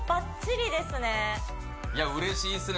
いや嬉しいっすね